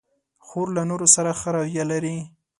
خور له نورو سره ښه رویه لري.